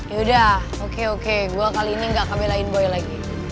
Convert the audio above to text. yaudah oke oke gue kali ini gak akan belain boy lagi